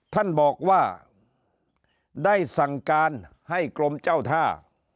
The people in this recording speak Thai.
ท่านบอกว่าได้สั่งการให้กรมเจ้าท่า